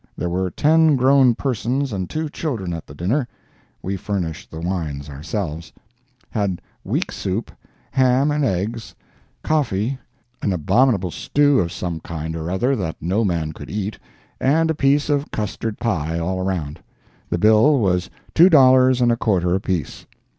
There were ten grown persons and two children at the dinner—(we furnished the wines ourselves); had weak soup, ham and eggs, coffee, an abominable stew of some kind or other that no man could eat, and a piece of custard pie all around. The bill was two dollars and a quarter apiece.